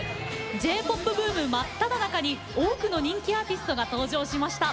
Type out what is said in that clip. Ｊ−ＰＯＰ ブーム真っただ中に多くの人気アーティストが登場しました。